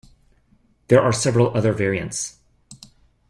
There are several other variants.